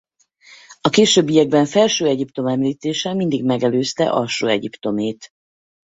A későbbiekben Felső-Egyiptom említése mindig megelőzte Alsó-Egyiptomét.